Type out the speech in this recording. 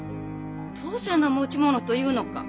登勢の持ち物と言うのか？